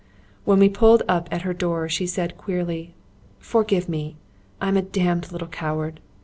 When we pulled up at her door she said queerly: "Forgive me. I'm a damned little coward."